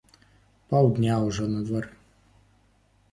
Паўдня ўжо на дварэ!